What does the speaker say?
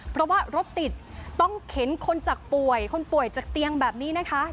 เพราะว่ารถติดต้องเข็นคนจากป่วยคนป่วยจากเตียงแบบนี้นะคะ